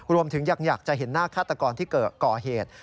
รวมถึงอยากจะเห็นหน้าฆาตกรที่ก่อเหตุ